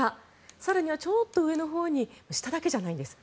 更にはちょっと上のほうに下だけじゃないんです。